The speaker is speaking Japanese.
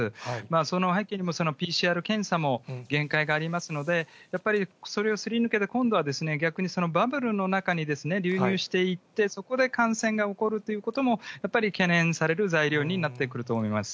その背景にも、ＰＣＲ検査にも限界がありますので、やっぱりそれをすり抜けて、今度は逆にバブルの中に流入していって、そこで感染が起こるということも、やっぱり懸念される材料になってくると思います。